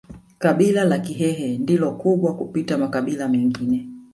Kabila la Kihehe ndilo kubwa kupita makabila mengine